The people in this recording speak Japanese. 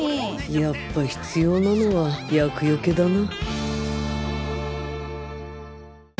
やっぱ必要なのは厄除けだな